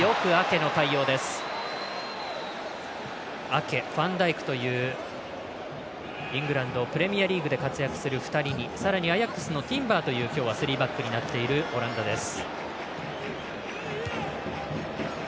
アケ、ファンダイクというイングランドプレミアリーグを活躍する２人に、さらにアヤックスのティンバーという今日はスリーバックになっているオランダです。